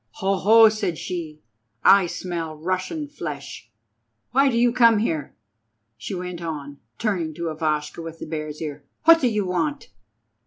"Ho, ho!" said she, "I smell Russian flesh. Why do you come here?" she went on, turning to Ivashka with the Bear's Ear. "What do you want?"